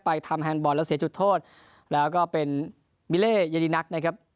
ทำแฮนดบอลแล้วเสียจุดโทษแล้วก็เป็นมิเล่เยดีนักนะครับ